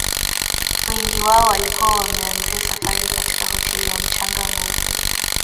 Wengi wao walikuwa wameanzia safari katika hoteli ya mchanga mweupe